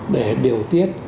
để điều tiết